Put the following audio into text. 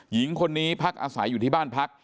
หญิงคนนี้พักอาศัยอยู่ที่บ้านพัก